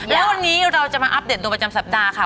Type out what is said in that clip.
แล้ววันนี้เราจะมาอัปเดตตัวประจำสัปดาห์ค่ะ